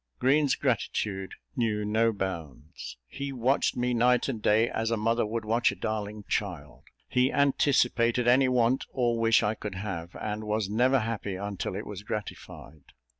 Green's gratitude knew no bounds he watched me night and day, as a mother would watch a darling child; he anticipated any want or wish I could have, and was never happy until it was gratified.